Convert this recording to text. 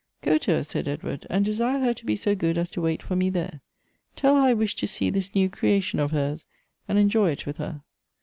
" Go to her," said Edward, " and desire her to be so good as to wait for ine there. Tell her I wish to see this new creation of hers, and enjoy it with her."